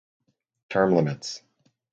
Term Limits.